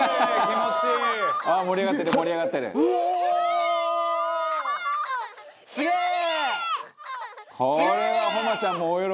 気持ちいい！